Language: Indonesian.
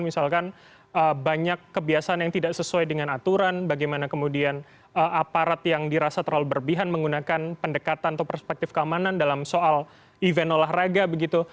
misalkan banyak kebiasaan yang tidak sesuai dengan aturan bagaimana kemudian aparat yang dirasa terlalu berlebihan menggunakan pendekatan atau perspektif keamanan dalam soal event olahraga begitu